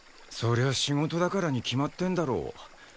そりゃ仕事だからに決まってんだろ。